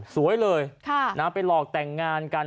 สวยเลยไปหลอกแต่งงานกัน